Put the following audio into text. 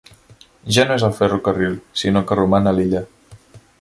Ja no és al ferrocarril, sinó que roman a l'illa.